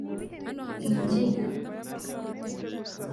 imbyino